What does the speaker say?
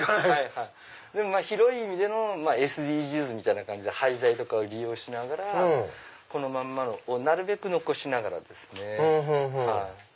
でも広い意味でのＳＤＧｓみたいな感じで廃材とかを利用しながらこのままをなるべく残しながらですね。